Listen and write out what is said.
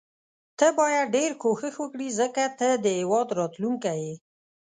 ته باید ډیر کوښښ وکړي ځکه ته د هیواد راتلوونکی یې.